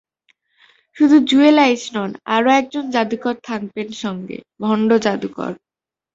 শুধু জুয়েল আইচ নন, আরও একজন জাদুকর থাকবেন সঙ্গে, ভণ্ড জাদুকর।